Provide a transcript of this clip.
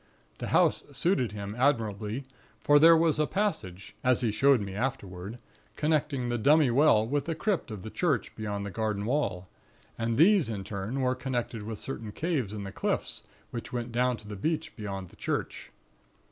The house suited him admirably; for there was a passage as he showed me afterward connecting the dummy well with the crypt of the church beyond the garden wall; and these, in turn, were connected with certain caves in the cliffs, which went down to the beach beyond the church.